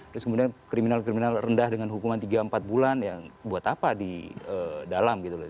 terus kemudian kriminal kriminal rendah dengan hukuman tiga empat bulan ya buat apa di dalam gitu loh